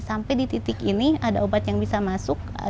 sampai di titik ini ada obat yang bisa masuk